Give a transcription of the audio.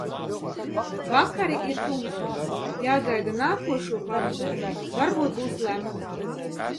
Vakari ir tumši, jāgaida nākošo pavasari – varbūt būs lemts?